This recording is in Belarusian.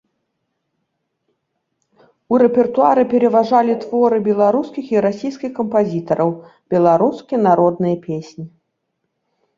У рэпертуары пераважалі творы беларускіх і расійскіх кампазітараў, беларускія народныя песні.